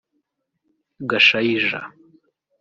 Gashaija